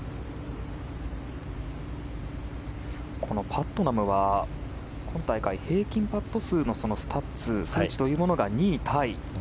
パットナムは今大会平均パット数のスタッツ数値というのが２位タイ。